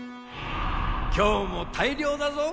今日も大漁だぞ。